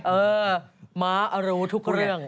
เออม้ารู้ทุกเรื่อง